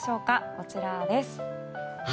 こちらです。